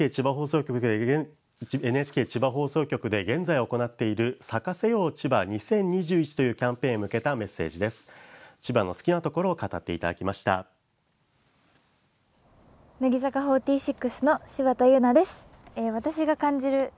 ＮＨＫ千葉放送局で現在行っている「咲かせよう千葉２０２１」というキャンペーンへ向けたメッセージです。